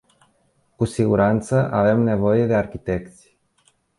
Cu siguranță avem nevoie de arhitecți.